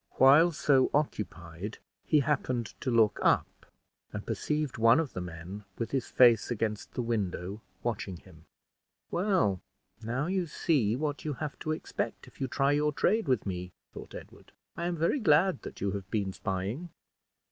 While so occupied, he happened to look up, and perceived one of the men with his face against the window, watching him. "Well, now you see what you have to expect, if you try your trade with me," thought Edward. "I am very glad that you have been spying."